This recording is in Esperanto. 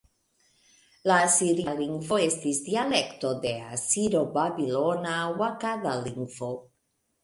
La asiria lingvo estis dialekto de asiro-babilona aŭ akada lingvo.